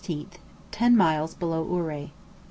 Ten miles below Ouray.